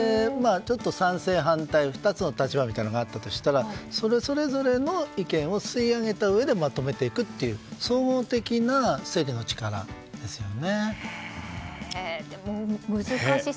賛成と反対の２つの立場みたいなのがあったとしたらそれぞれの意見を吸い上げたうえでまとめていくという総合的な整理の力ですよね。